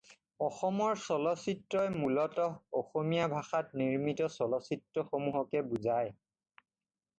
অসমৰ চলচ্চিত্ৰই মূলতঃ অসমীয়া ভাষাত নিৰ্মিত চলচ্চিত্ৰসমূহকে বুজায়।